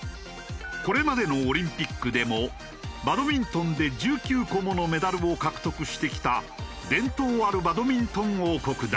これまでのオリンピックでもバドミントンで１９個ものメダルを獲得してきた伝統あるバドミントン王国だ。